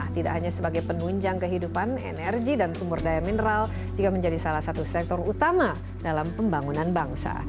tidak hanya sebagai penunjang kehidupan energi dan sumber daya mineral juga menjadi salah satu sektor utama dalam pembangunan bangsa